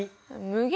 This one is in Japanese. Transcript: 無限！？